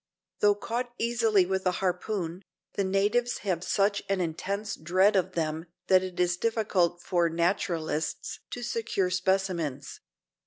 Though caught easily with a harpoon, the natives have such an intense dread of them that it is difficult for naturalists to secure specimens.